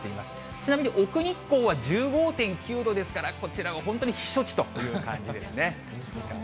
ちなみに、奥日光は１５．９度ですから、こちらは本当に避暑地という感じですね。